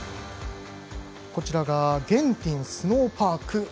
こちらがゲンティンスノーパーク。